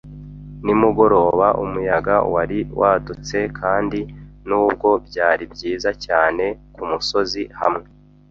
nimugoroba umuyaga wari wadutse, kandi nubwo byari byiza cyane kumusozi hamwe